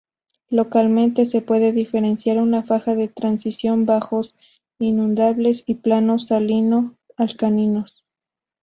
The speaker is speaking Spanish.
Localmente se puede diferenciar una faja de transición, bajos inundables y planos salino-alcalinos.